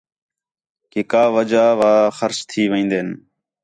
کہ کا وجہ وا خرچ تھی وین٘دِن